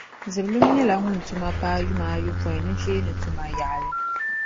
Ziblim nyɛla ŋun tuma paai yuma ayɔpoin nucheeni tuma yaɣili.